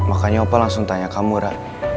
akhirnya opa langsung tanya kamu rar